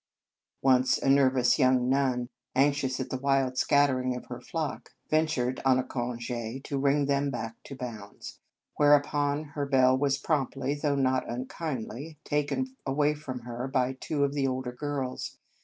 Once a nervous young nun, anxious at the wild scattering of her flock, ventured, on a conge, to ring them back to bounds; whereupon her bell was promptly, though not un kindly, taken away from her by two of the older girls.